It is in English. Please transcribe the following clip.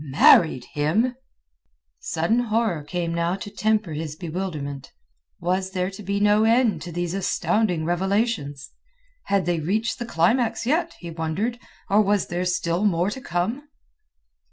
"Married him?" Sudden horror came now to temper his bewilderment. Was there to be no end to these astounding revelations? Had they reached the climax yet, he wondered, or was there still more to come?